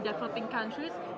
dalam negara negara yang berkembang